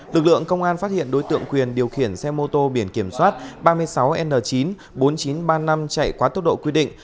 lực lượng công an phát hiện đối tượng quyền điều khiển xe mô tô biển kiểm soát ba mươi sáu n chín bốn nghìn chín trăm ba mươi năm chạy quá tốc độ quy định